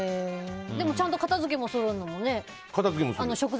でも、ちゃんと片付けもするんだもんね。